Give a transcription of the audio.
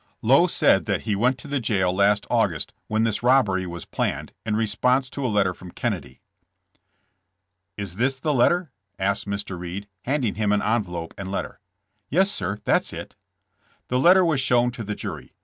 '' Lowe said that he went to the jail last August, when this robbery was planned, in response to a let ter from Kennedy. "Is this the letter?" asked Mr. Reed, handing him an envelope and letter. *'Yes, sir; that's it." The letter was shown to the jury.